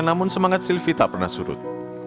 namun semangat sylvi tak pernah surut